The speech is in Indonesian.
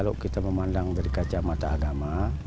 kalau kita memandang dari kaca mata agama